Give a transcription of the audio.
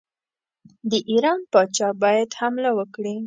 د ایران پاچا باید حمله وکړي.